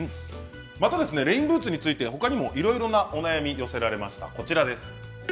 またレインブーツについてはほかにも、いろいろなお悩みが寄せられました。